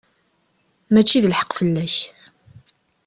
Mačči d lḥeqq fell-ak.